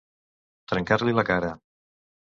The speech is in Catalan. Trencar-li la cara.